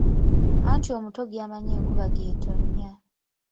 Anti omuto gyamanyi enkuba gy'ettonya.